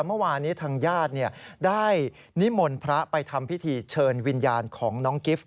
เมื่อวานนี้ทางญาติได้นิมนต์พระไปทำพิธีเชิญวิญญาณของน้องกิฟต